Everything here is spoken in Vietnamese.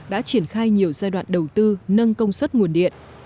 đã triển khai nhiều giai đoạn đầu tư nâng công suất nguồn điện